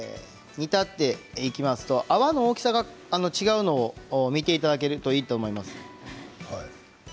煮立っていきますと泡の大きさが違うのを見ていただけるといいと思います。